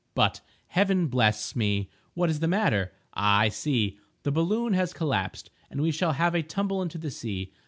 —But, Heaven bless me! what is the matter? Ah, I see—the balloon has collapsed, and we shall have a tumble into the sea.